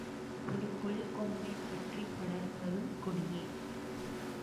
ஒரு கொள்கொம்பைப் பற்றிப் படர்வதும் கொடியே.